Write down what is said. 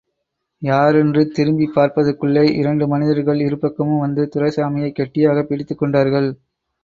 யாரென்று திரும்பி பார்ப்பதற்குள்ளே, இரண்டு மனிதர்கள் இருபக்கமும் வந்து, துரைசாமியைக் கெட்டியாகப் பிடித்துக் கொண்டார்கள்.